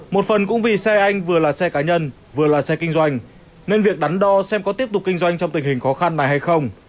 một phần cũng vì xe anh vừa là xe cá nhân vừa là xe kinh doanh nên việc đắn đo xem có tiếp tục kinh doanh trong tình hình khó khăn này hay không